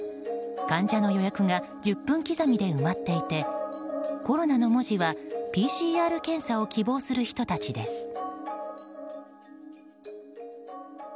患者の予約が１０分刻みで埋まっていて「コロナ」の文字はＰＣＲ検査を希望する人たちです。